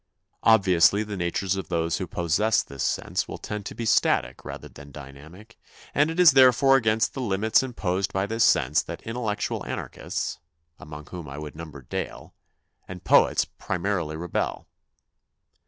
Obviously, the natures of those who possess this sense will tend to be static rather than dynamic, and it is therefore against the limits imposed by this sense that intellectual anarchists, among whom I would number Dale, and poets primarily rebel.